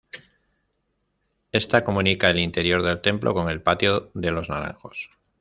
Esta comunica el interior del templo con el patio de los Naranjos.